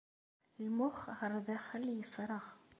Lmux ar daxel yefreɣ.